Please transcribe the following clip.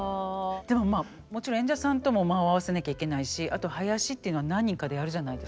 でもまあもちろん演者さんとも間を合わせなきゃいけないしあと囃子っていうのは何人かでやるじゃないですか。